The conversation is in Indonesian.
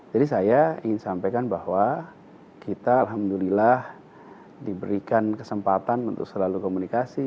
jadi saya ingin sampaikan bahwa kita alhamdulillah diberikan kesempatan untuk selalu komunikasi